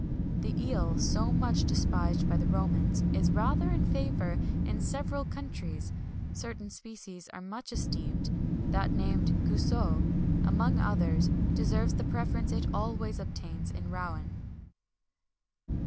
"The eel, so much despised by the Romans, is rather in favour in several countries; certain species are much esteemed, that named Guiseau, among others, deserves the preference it always obtains at Rouen."